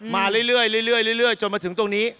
มาเรื่อยจนมาถึงตรงนี้